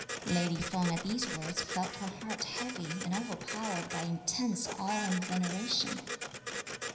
Lady Feng at these words felt her heart heavy, and overpowered by intense awe and veneration.